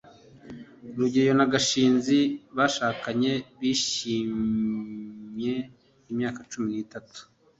rugeyo na gashinzi bashakanye bishimye imyaka cumi n'itatu